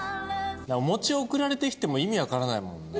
おもち送られてきても意味わからないもんな。